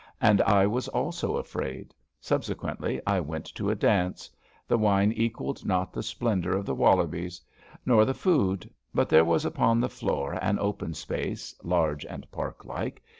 And I was also afraid. Sub sequently I went to a dance. The wine equaled not the splendour of the Wollobies. Nor the food. But there was upon the floor an open space — ^large and park like.